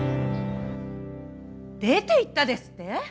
出て行ったですって？